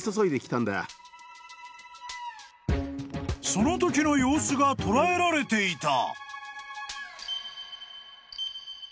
［そのときの様子が捉えられていた］